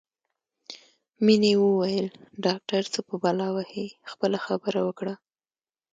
مينې وویل ډاکټر څه په بلا وهې خپله خبره وکړه